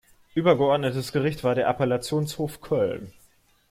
Übergeordnetes Gericht war der Appellationshof Köln.